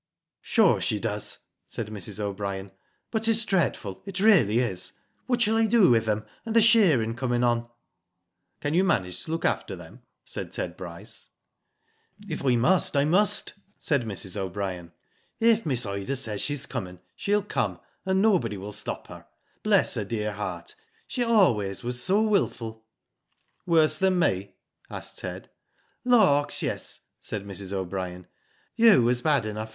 "Sure she does," said Mrs. O'Brien. "But it's dreadful ; it really is. What shall I do with 'em, and the shearin' comin' on." "Can you manage to look after them?" said Ted Bryce. Digitized byGoogk TIVO MEN. 73 "If I must, I must/' said Mrs. O'Brien. '* If Miss Ida says she's coming, she'll come, and no body will stop her. Bless her dear heart, she always was so wilful." '* Worse than me ?'^ asked Ted. *' Lawks, yes," said Mrs. O'Brien. "You was bad enough.